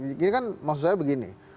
ini kan maksud saya begini